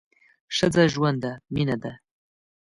ښځه ژوند ده ، مینه ده